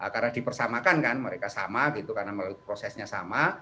karena dipersamakan kan mereka sama gitu karena prosesnya sama